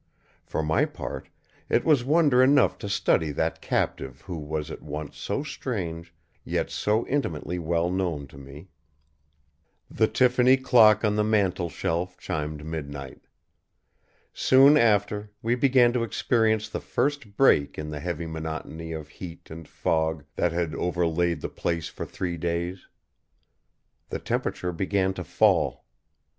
For my part, it was wonder enough to study that captive who was at once so strange yet so intimately well known to me. The Tiffany clock on the mantel shelf chimed midnight. Soon after, we began to experience the first break in the heavy monotony of heat and fog that had overlaid the place for three days. The temperature began to fall.